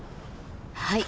はい。